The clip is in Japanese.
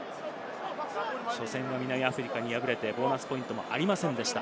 初戦は南アフリカに敗れてボーナスポイントはありませんでした。